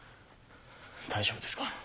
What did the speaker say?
大丈夫ですか？